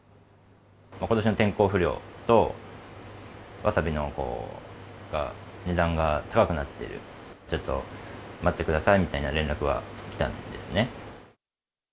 ことしの天候不良と、わさびの値段が高くなっている、ちょっと待ってくださいみたいな連絡が来たんですね。